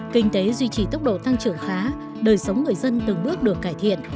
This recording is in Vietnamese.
kinh tế duy trì tốc độ tăng trưởng khá đời sống người dân từng bước được cải thiện